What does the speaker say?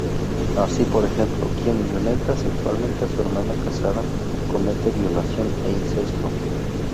Así, por ejemplo, quien violenta sexualmente a su hermana casada, comete violación e incesto.